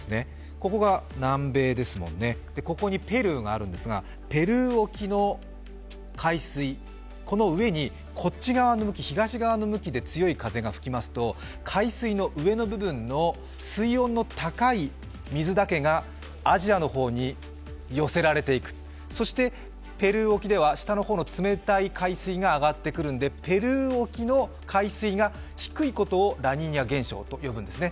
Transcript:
ここが南米、ここにペルーがあるんですがペルー沖の海水、この上に東側の向きで強い風が吹きますと海水の上の部分の水温の高い水だけがアジアの方に寄せられていくので、そしてペルー沖では下の方の冷たい海水が上がってくるのでペルー沖の海水が低いことをラニーニャ現象と呼ぶんです。